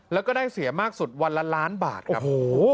แล้วก็ได้เสียมากสุดวันละล้านบาทครับ